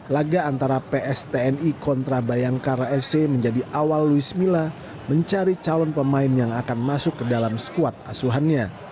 laga antara pstni kontra bayangkara fc menjadi awal luis mila mencari calon pemain yang akan masuk ke dalam skuad asuhannya